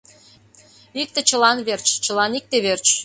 Икте чылан верч, чылан икте верч!